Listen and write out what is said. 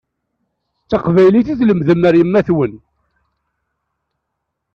D taqbaylit i tlemdem ar yemma-twen.